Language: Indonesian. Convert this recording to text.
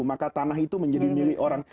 maka tanah itu menjadi milik orang